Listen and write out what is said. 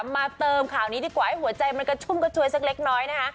มาเติมข่าวนี้ดีกว่าให้หัวใจมันกระชุ่มกระชวยสักเล็กน้อยนะคะ